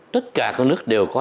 tất cả các nước đều có